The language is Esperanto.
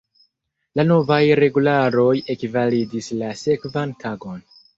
La novaj regularoj ekvalidis la sekvan tagon.